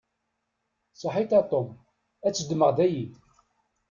Saḥit a Tom, ad t-ddmeɣ dayi.